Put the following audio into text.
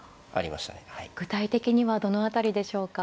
具体的にはどの辺りでしょうか。